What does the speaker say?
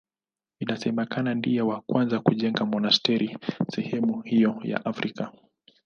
Inasemekana ndiye wa kwanza kujenga monasteri sehemu hiyo ya Afrika.